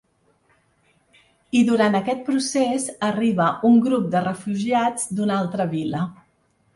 I durant aquest procés arriba un grup de refugiats d’una altra vila.